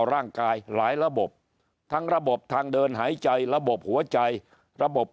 ร่างกายหลายระบบทั้งระบบทางเดินหายใจระบบหัวใจระบบ